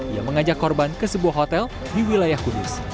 ia mengajak korban ke sebuah hotel di wilayah kudus